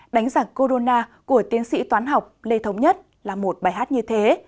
đánh giặc corona của tiến sĩ toán học lê thống nhất là một bài hát như thế